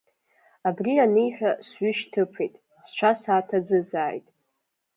Абри аниҳәа сҩышьҭыԥеит, сцәа сааҭаӡыӡааит.